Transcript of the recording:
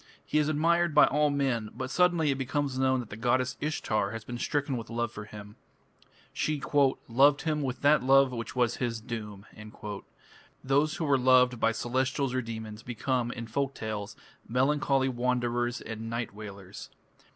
He is admired by all men, but suddenly it becomes known that the goddess Ishtar has been stricken with love for him. She "loved him with that love which was his doom". Those who are loved by celestials or demons become, in folk tales, melancholy wanderers and "night wailers".